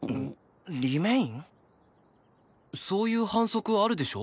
そういう反則あるでしょ？